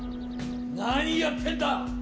何やってんだ！